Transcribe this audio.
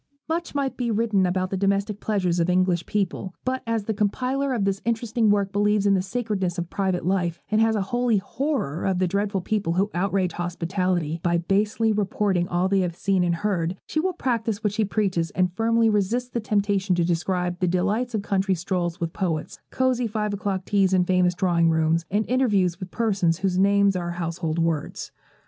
Much might be written about the domestic pleasures of English people, but as the compiler of this interesting work believes in the sacredness of private life, and has a holy horror of the dreadful people who outrage hospitality by basely reporting all they have seen and heard, she will practise what she preaches, and firmly resist the temptation to describe the delights of country strolls with poets, cosey five o'clock teas in famous drawing rooms, and interviews with persons whose names are household words.